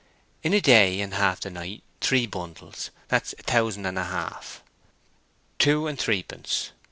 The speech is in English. "In a day and half the night, three bundles—that's a thousand and a half." "Two and threepence."